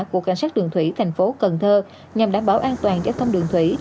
của cảnh sát đường thủy thành phố cần thơ nhằm đảm bảo an toàn giao thông đường thủy